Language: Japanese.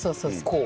こう？